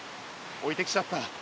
おいてきちゃった。